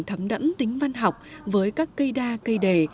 thấm đẫm tính văn học với các cây đa cây đề